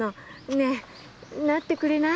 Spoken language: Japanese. ねえなってくれない？